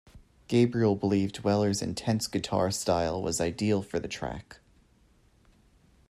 Gabriel believed Weller's intense guitar style was ideal for the track.